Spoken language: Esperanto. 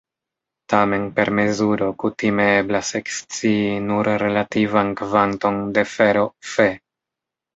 Tamen per mezuro kutime eblas ekscii nur relativan kvanton de fero Fe.